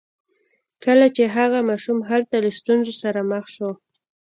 کله چې هغه ماشوم هلته له ستونزو سره مخ شو